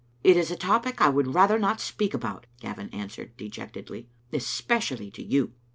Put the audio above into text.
" It is a topic I would rather not speak about," Gavin answered, dejectedly, "especially to you."